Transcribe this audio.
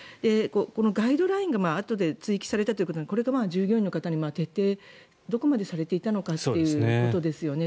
ガイドラインがあとで追記されたということでこれが従業員の方に徹底がどこまでされていたのかということですよね。